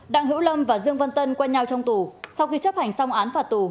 đặng hữu lâm và dương vân tân quen nhau trong tù sau khi chấp hành xong án phạt tù